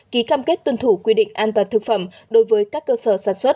ký cam kết tuân thủ quy định an toàn thực phẩm đối với các cơ sở sản xuất